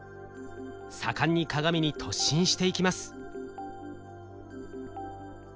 盛んに鏡に突進していきます。